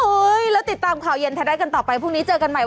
เอ้ยแล้วติดตามกันต่อไปวันนี้เจอกันใหม่